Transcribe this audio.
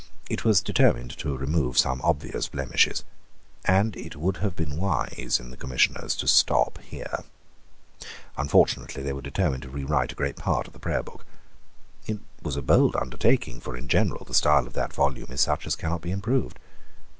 It was determined to remove some obvious blemishes. And it would have been wise in the Commissioners to stop here. Unfortunately they determined to rewrite a great part of the Prayer Book. It was a bold undertaking; for in general the style of that volume is such as cannot be improved.